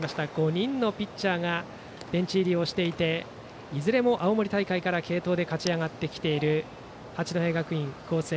５人のピッチャーがベンチ入りをしていていずれも青森大会から継投で勝ち上がっている八戸学院光星。